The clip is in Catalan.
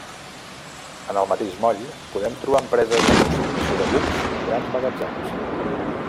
En el mateix moll podem trobar empreses de consignació de bucs i grans magatzems.